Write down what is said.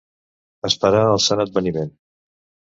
Esperar el Sant Adveniment.